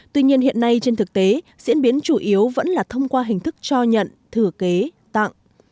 tuy nhiên hiện nay trên thực tế diễn biến chủ yếu vẫn là thông qua hình thức cho nhận thử kế tặng